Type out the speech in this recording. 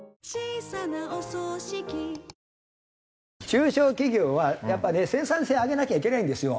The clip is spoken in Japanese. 中小企業はやっぱりね生産性上げなきゃいけないんですよ。